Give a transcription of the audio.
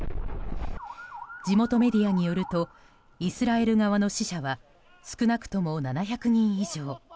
地元メディアによるとイスラエル側の死者は少なくとも７００人以上。